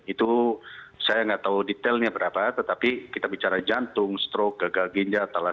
itu saya nggak tahu detailnya berapa tetapi kita bicara jantung stroke gagal ginjal talas